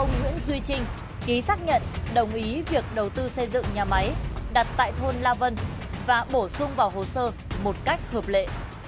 ông nguyễn duy trinh ký xác nhận đồng ý việc đầu tư xây dựng nhà máy đặt tại thôn la vân và bổ sung vào hồ sơ một cách hợp lệ